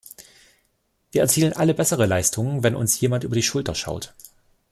Wir alle erzielen bessere Leistungen, wenn uns jemand über die Schulter schaut.